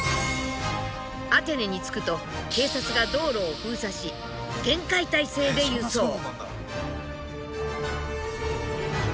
アテネに着くと警察が道路を封鎖し厳戒態勢で輸送。